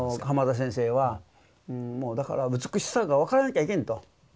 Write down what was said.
濱田先生はもうだから美しさが分からなきゃいけんと。